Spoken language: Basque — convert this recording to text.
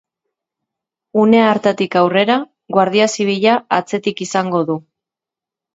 Une hartatik aurrera, Guardia Zibila atzetik izango du.